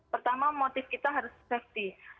pertama motif kita harus safety